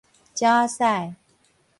鳥仔屎